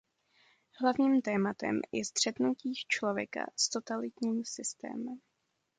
Hlavním tématem je střetnutí člověka s totalitním systémem.